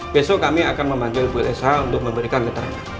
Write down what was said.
besok kami akan memanggil kuehsa untuk memberikan keterangan